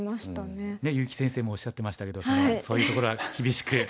ねえ結城先生もおっしゃってましたけどそういうところは厳しく。